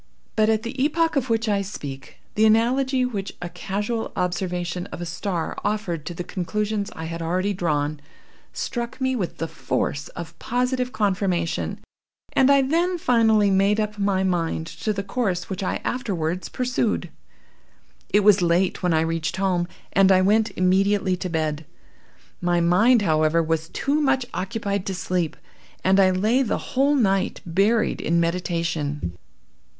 But at the epoch of which I speak, the analogy which a casual observation of a star offered to the conclusions I had already drawn, struck me with the force of positive conformation, and I then finally made up my mind to the course which I afterwards pursued. "It was late when I reached home, and I went immediately to bed. My mind, however, was too much occupied to sleep, and I lay the whole night buried in meditation.